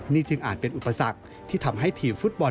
นี่จึงอาจเป็นอุปสรรคที่ทำให้ทีมฟุตบอล